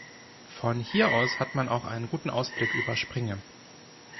Von hier aus hat man auch einen guten Ausblick über Springe.